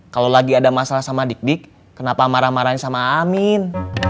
kalau lagi ada masalah sama dik dik kenapa marah marahin sama amin